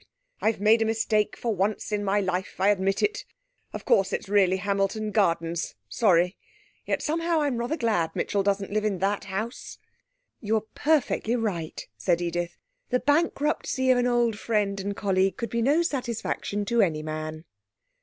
I've made a mistake for once in my life. I admit it. Of course, it's really Hamilton Gardens. Sorry. Yet somehow I'm rather glad Mitchell doesn't live in that house.' 'You are perfectly right,' said Edith: 'the bankruptcy of an old friend and colleague could be no satisfaction to any man.'